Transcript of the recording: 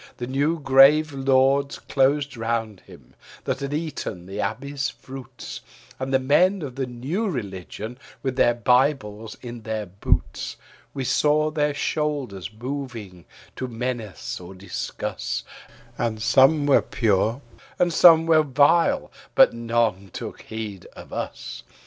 The new grave lords closed round him, that had eaten the abbey's fruits, And the men of the new religion, with their bibles in their boots, We saw their shoulders moving, to menace or discuss, And some were pure and some were vile, but none took heed of us.